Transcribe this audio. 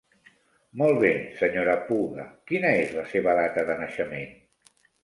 Molt bé Sra. Puga, quina és la seva data de naixement?